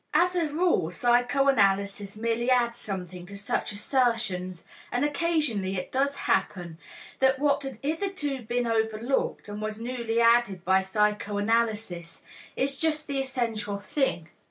As a rule psychoanalysis merely adds something to such assertions and occasionally it does happen that what had hitherto been overlooked, and was newly added by psychoanalysis, is just the essential thing.